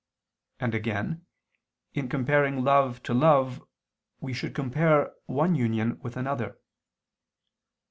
And, again, in comparing love to love we should compare one union with another.